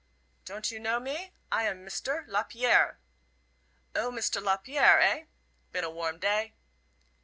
"Don't you know me? I am Mister Lapierre." "O, Mr. Lapierre, eh? Been a warm day."